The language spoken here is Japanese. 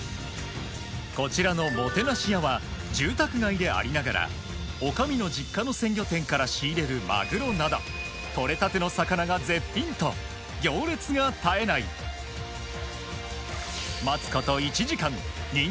こちらの住宅街でありながら女将の実家の鮮魚店から仕入れるマグロなどとれたての魚が絶品と行列が絶えない海鮮ユッケ丼ですね